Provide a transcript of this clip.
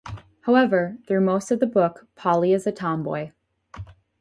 However, through most of the book Polly is a tomboy.